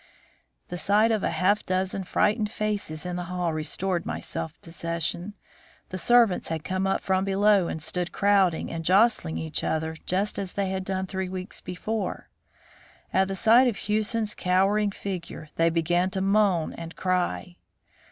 The sight of a half dozen frightened faces in the hall restored my self possession. The servants had come up from below and stood crowding and jostling each other just as they had done three weeks before. At the sight of Hewson's cowering figure they began to moan and cry.